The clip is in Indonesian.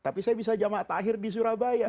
tapi saya bisa jama' terakhir di surabaya